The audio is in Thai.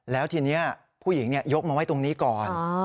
แล้วทีนี้ผู้หญิงยกมาไว้ตรงนี้ก่อน